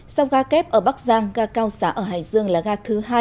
sau ga kép ở bắc giang ga cao xá ở hải dương là ga thứ hai